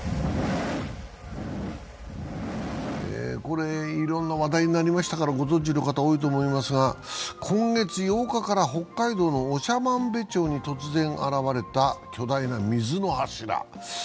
これ、いろいろな話題になりましたから、ご存じの方も多いと思いますが、今月８日から北海道の長万部町に突然現れた巨大な水の柱。